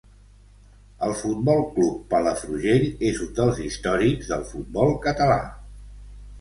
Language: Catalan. El Futbol Club Palafrugell és un dels històrics del futbol català.